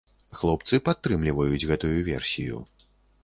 Хлопцы падтрымліваюць гэтую версію.